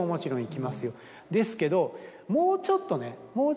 ですけどもうちょっとね。